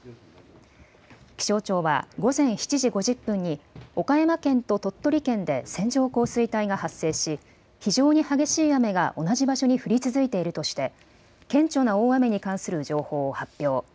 気象庁は午前７時５０分に岡山県と鳥取県で線状降水帯が発生し非常に激しい雨が同じ場所に降り続いているとして顕著な大雨に関する情報を発表。